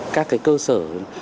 các cơ sở